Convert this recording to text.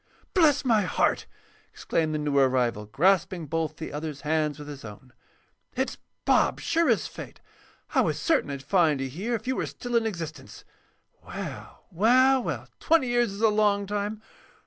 "Bless my heart!" exclaimed the new arrival, grasping both the other's hands with his own. "It's Bob, sure as fate. I was certain I'd find you here if you were still in existence. Well, well, well!—twenty years is a long time.